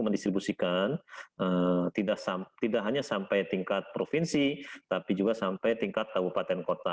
mendistribusikan tidak hanya sampai tingkat provinsi tapi juga sampai tingkat kabupaten kota